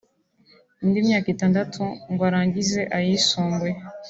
indi myaka itandatu ngo arangize ayisumbuye